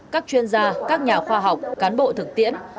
các chuyên gia các nhà khoa học cán bộ thực tiễn